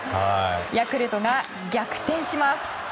ヤクルトが逆転します。